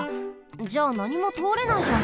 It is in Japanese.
じゃあなにもとおれないじゃん。